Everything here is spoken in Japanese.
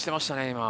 今。